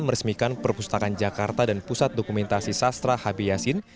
meresmikan perpustakaan jakarta dan pusat dokumen sastra hp yasin